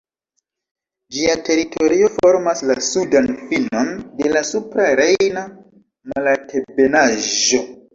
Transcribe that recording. Ĝia teritorio formas la sudan finon de la Supra Rejna Malaltebenaĵo.